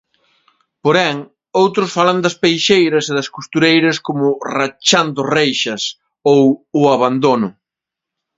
Porén, outros falan das peixeiras e das costureiras como 'Rachando reixas' ou 'O abandono'.